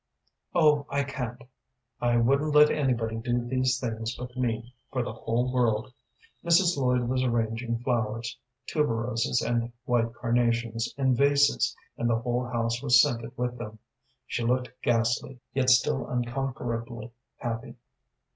"Oh, I can't. I wouldn't let anybody do these things but me, for the whole world." Mrs. Lloyd was arranging flowers, tuberoses and white carnations, in vases, and the whole house was scented with them. She looked ghastly, yet still unconquerably happy.